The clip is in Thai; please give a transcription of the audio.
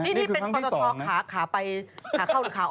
นี่เป็นปรตทขาขาไปขาเข้าหรือขาออก